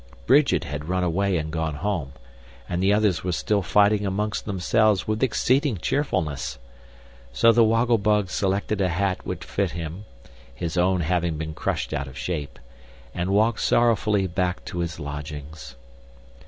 Bridget had run away and gone home, and the others were still fighting amongst themselves with exceeding cheerfulness. So the Woggle Bug selected a hat which fit him (his own having been crushed out of shape) and walked sorrowfully back to his lodgings.